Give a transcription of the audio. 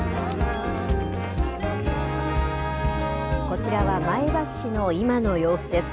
こちらは前橋市の今の様子です。